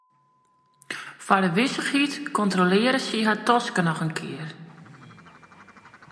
Foar de wissichheid kontrolearre sy har taske noch in kear.